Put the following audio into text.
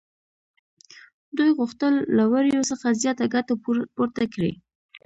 دوی غوښتل له وړیو څخه زیاته ګټه پورته کړي